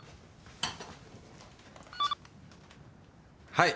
・☎はい。